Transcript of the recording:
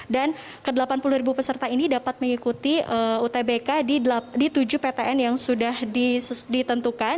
dan ke delapan puluh ribu peserta ini dapat mengikuti utbk di tujuh ptn yang sudah ditentukan